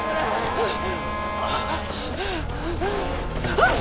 あっ！